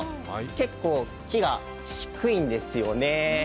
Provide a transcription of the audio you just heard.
結構、木が低いんですよね。